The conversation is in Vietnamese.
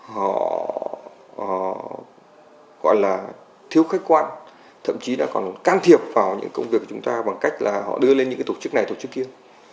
họ gọi là thiếu khách quan thậm chí đã còn can thiệp vào những công việc của chúng ta bằng cách là họ đưa lên những cái tổ chức này tổ chức kia